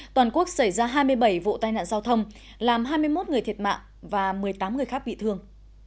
toàn quốc xảy ra hai mươi bảy vụ tai nạn giao thông làm hai mươi một người thiệt mạng và một mươi tám người khác bị thương